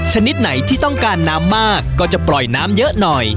ชนิดไหนที่ต้องการน้ำมากก็จะปล่อยน้ำเยอะหน่อย